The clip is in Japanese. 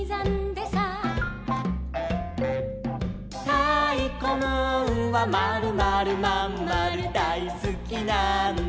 「たいこムーンはまるまるまんまるだいすきなんだ」